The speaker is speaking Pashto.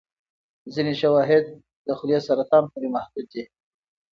ځینې شواهد د خولې سرطان پورې محدود دي.